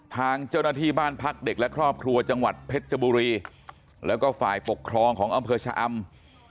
ทางเจ้าหน้าที่บ้านพักเด็กและครอบครัวจังหวัดเพชรบุรีแล้วก็ฝ่ายปกครองของอำเภอชะอำ